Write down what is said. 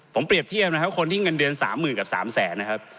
ผมเปรียบเทียบนะครับคนที่เงินเดือน๓๐๐๐กับ๓แสนนะครับ